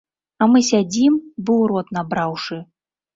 А мы сядзім, бы ў рот набраўшы.